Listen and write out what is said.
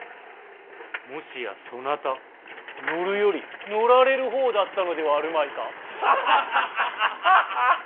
もしやそなた乗るより乗られる方だったのではあるまいか？